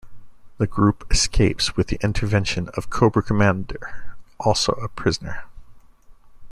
The group escapes with the intervention of Cobra Commander, also a prisoner.